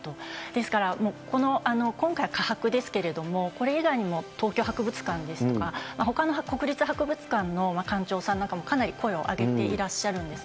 ですから今回、科博ですけれども、これ以外にも東京博物館ですとか、ほかの国立博物館の館長さんなんかもかなり声を上げていらっしゃるんです。